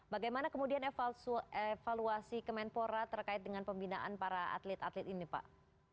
bagaimana kemudian evaluasi kemenpora terkait dengan pembinaan para atlet atlet ini pak